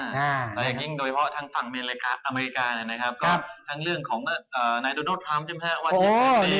อย่างยิ่งโดยเพราะทางฝั่งอเมริกานะครับก็ทั้งเรื่องของนายดูดูดทรัมป์จิมแฮะวาทิตย์